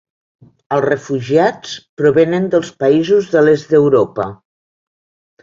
Els refugiats provenen dels països de l'Est d'Europa.